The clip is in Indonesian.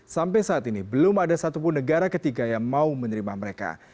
sampai saat ini belum ada satupun negara ketiga yang mau menerima mereka